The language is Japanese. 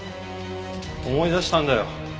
思い出したんだよ。